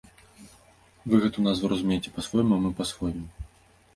Вы гэту назву разумееце па-свойму, мы па-свойму.